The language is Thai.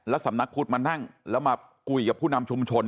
สำนักพุทธมานั่งแล้วมาคุยกับผู้นำชุมชน